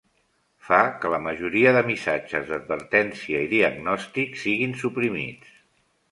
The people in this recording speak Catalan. Fa que la majoria de missatges d'advertència i diagnòstic siguin suprimits.